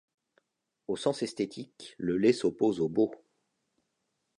Au sens esthétique, le laid s'oppose au beau.